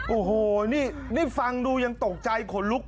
โอโหนี่นี่ฟังดูยังตกใจ